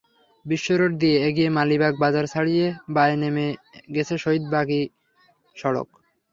বিশ্বরোড দিয়ে এগিয়ে মালিবাগ বাজার ছাড়িয়ে বাঁয়ে নেমে গেছে শহীদ বাকি সড়ক।